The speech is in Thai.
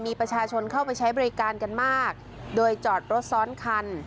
มีประชาชนเข้าไปใช้บริการกันมากโดยจอดรถซ้อนคัน